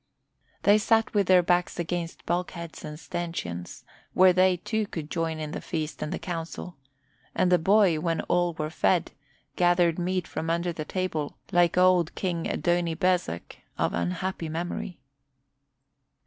They sat with their backs against bulkheads and stanchions, where they, too, could join in the feast and the council; and the boy, when all were fed, gathered meat from under the table like old King Adoni bezek of unhappy memory.